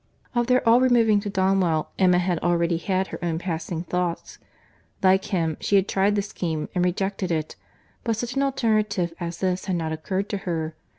Of their all removing to Donwell, Emma had already had her own passing thoughts. Like him, she had tried the scheme and rejected it; but such an alternative as this had not occurred to her.